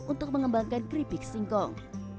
untuk mengembangkan keripik singkong